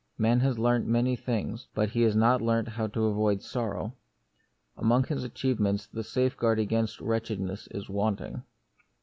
Man has learnt many things, but he has not learnt how to avoid sorrow. Among his achievements the safeguard against wretchedness is wanting.